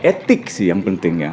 etik sih yang penting ya